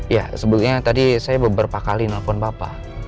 ya sebelumnya tadi saya beberapa kali nelfon bapak